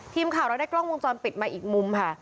ทีมข่าวเราได้กล้องวงจรปิดมาอีกมุมค่ะ